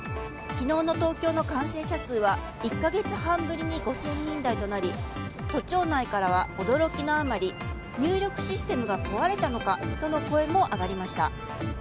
昨日の東京の感染者数は１か月半ぶりに５０００人台となり都庁内からは驚きのあまり入力システムが壊れたのかとの声も上がりました。